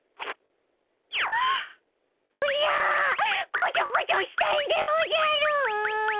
こちょこちょしたいでおじゃる。